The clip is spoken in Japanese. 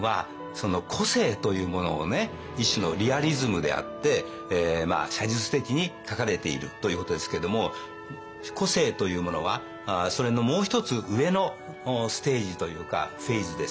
一種のリアリズムであって写実的に描かれているということですけれども個性というものはそれのもう一つ上のステージというかフェーズですね。